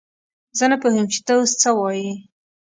زه نه پوهېږم چې ته اوس څه وايې!